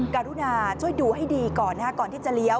การุณาช่วยดูให้ดีก่อนก่อนที่จะเลี้ยว